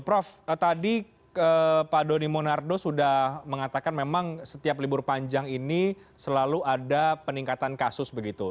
prof tadi pak doni monardo sudah mengatakan memang setiap libur panjang ini selalu ada peningkatan kasus begitu